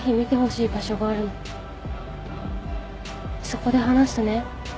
そこで話すね